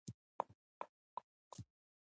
که ژبه وي نو خوند نه پټیږي.